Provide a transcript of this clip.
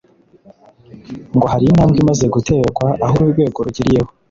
ngo hari intambwe imaze guterwa aho uru rwego rugiriyeho